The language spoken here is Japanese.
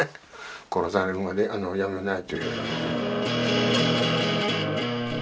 殺されるまでやめない。